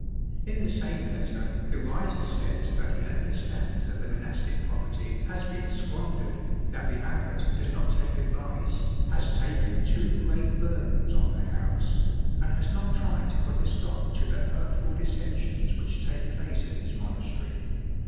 In the same letter the writer says that he understands that the monastic property has been squandered, that the abbot does not take advice, has taken too great burdens on the house and has not tried to put a stop to the hurtful dis sensions which take place in his monastery.